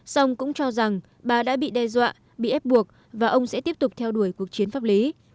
song cũng cho rằng bà đã bị đe dọa bị ép buộc và ông sẽ tiếp tục theo đuổi cuộc chiến pháp lý